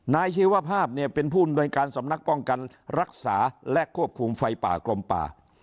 ชีวภาพเนี่ยเป็นผู้อำนวยการสำนักป้องกันรักษาและควบคุมไฟป่ากลมป่า